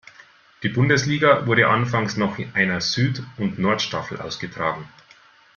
Die Bundesliga wurde anfangs noch einer Süd- und Nordstaffel ausgetragen.